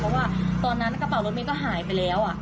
เพราะว่าตอนนั้นกระเป๋ารถเมย์ก็หายไปแล้ว